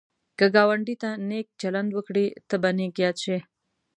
که ګاونډي ته نېک چلند وکړې، ته به نېک یاد شي